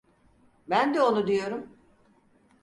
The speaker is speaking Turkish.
Ben de onu diyorum.